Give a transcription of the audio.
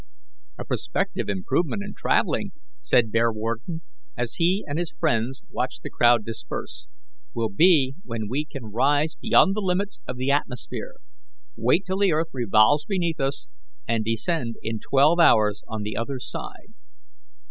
"A prospective improvement in travelling," said Bearwarden, as he and his friends watched the crowd disperse, "will be when we can rise beyond the limits of the atmosphere, wait till the earth revolves beneath us, and descend in twelve hours on the other side."